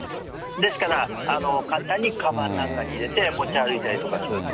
ですから、簡単にかばんなんかに入れて持ち歩いたりとかすると。